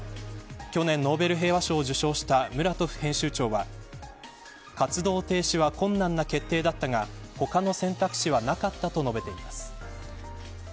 去年、ノーベル平和賞を受賞したムラトフ編集長は活動停止は困難な決定だったが他の選択肢はなかったと述べています。